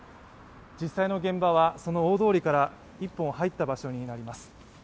実際の現場はその大通りから１本入った場所にあります。